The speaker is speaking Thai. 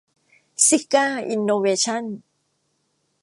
ซิก้า อินโนเวชั่น